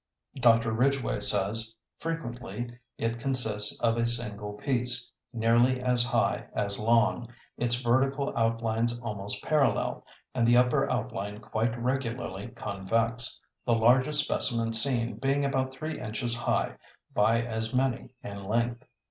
Dr. Ridgway says: "Frequently it consists of a single piece, nearly as high as long, its vertical outlines almost parallel, and the upper outline quite regularly convex, the largest specimen seen being about three inches high, by as many in length.